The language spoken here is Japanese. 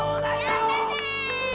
やったぜ！